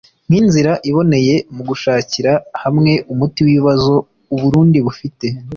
nk’inzira iboneye mu gushakira hamwe umuti w’ibibazo u Burundi bufite